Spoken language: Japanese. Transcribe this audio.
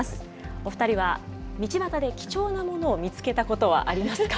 お２人は道端で貴重なものを見つけたことはありますか。